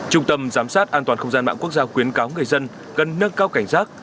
trung tâm giám sát an toàn không gian mạng quốc gia khuyến cáo người dân cần nâng cao cảnh giác